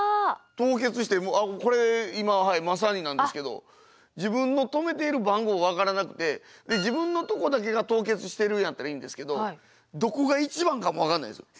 凍結してこれ今まさになんですけど自分の止めている番号分からなくて自分のとこだけが凍結してるんやったらいいんですけどどこが１番かも分かんないんですよ。